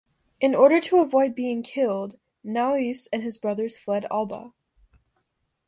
In order to avoid being killed, Naoise and his brothers fled Alba.